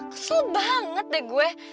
kesel banget deh gue